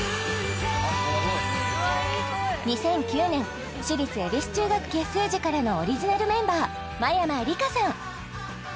２００９年私立恵比寿中学結成時からのオリジナルメンバー真山りかさん